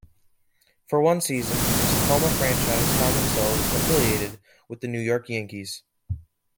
For one season, the Tacoma franchise found themselves affiliated with the New York Yankees.